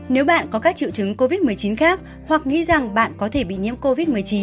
nếu bạn có các triệu chứng covid một mươi chín khác hoặc nghĩ rằng bạn có thể bị nhiễm covid một mươi chín